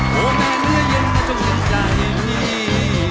โหน่าเหนือยันแต่จงมีใจพี่